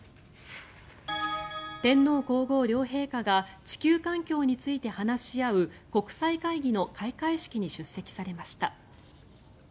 天皇・皇后両陛下が地球環境について話し合う国際会議の開会式に出席されました。